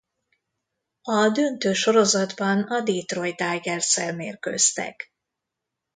A döntő sorozatban a Detroit Tigers-szel mérkőztek.